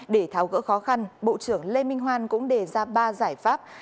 để tháo gỡ khó khăn bộ trưởng lê minh hoan cũng đề ra ba giải pháp